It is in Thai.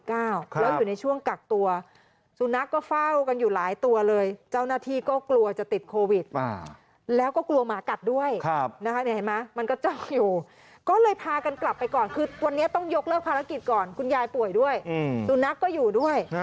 แล้วอยู่ในช่วงกักตัวสุนัขก็เฝ้ากันอยู่หลายตัวเลยเจ้าหน้าที่ก็กลัวจะติดโควิดแล้วก็กลัวหมากัดด้วยเห็นไหมมันก็เจ้าอยู่ก็เลยพากันกลับไปก่อนคือวันนี้ต้องยกเลิกภารกิจก่อนคุณยายป่วยด้วยสุนัขก็อยู่ด้วย